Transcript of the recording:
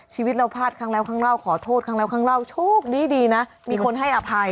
ชีวิตเราพลาดข้างแล้วข้างล่าวขอโทษข้างล่าวข้างล่าวโชคดีนะมีคนให้อภัย